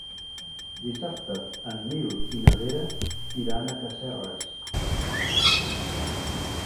Dissabte en Nil i na Vera iran a Casserres.